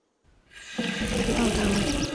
指导单位